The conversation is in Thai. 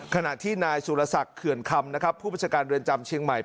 ขณะที่นายสุรศักดิ์เขื่อนคำนะครับผู้ประชาการเรือนจำเชียงใหม่